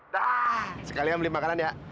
dah sekalian beli makanan ya